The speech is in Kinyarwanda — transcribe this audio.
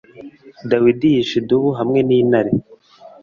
dawidi yishe idubu hamwe n’intare